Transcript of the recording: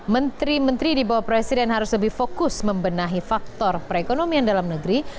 menteri menteri di bawah presiden harus lebih fokus membenahi faktor perekonomian dalam negeri